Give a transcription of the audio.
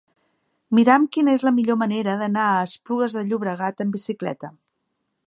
Mira'm quina és la millor manera d'anar a Esplugues de Llobregat amb bicicleta.